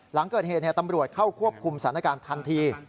หลังเกิดเหตุตำรวจเข้าควบคุมสถานการณ์ทันที